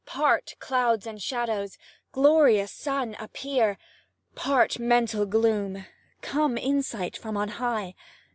Part, clouds and shadows! Glorious Sun appear! Part, mental gloom! Come insight from on high!